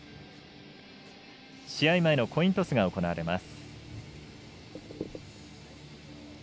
試合前のコイントスが行われます。